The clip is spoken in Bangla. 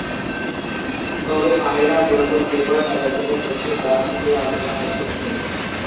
তবে পামেলা মূলত প্লেবয় ম্যাগাজিনের প্রচ্ছদ গার্ল হয়ে আলোচনায় এসেছেন।